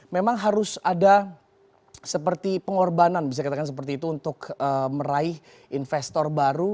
memang harus ada seperti pengorbanan bisa katakan seperti itu untuk meraih investor baru